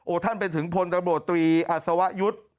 โอ้ท่านเป็นถึงพลประโบตรีอัสวะยุทธ์